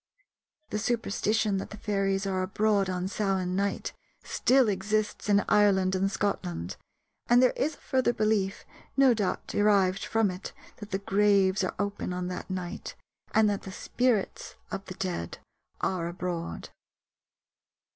The superstition that the fairies are abroad on Samain night still exists in Ireland and Scotland, and there is a further belief, no doubt derived from it, that the graves are open on that night and that the spirits of the dead are abroad.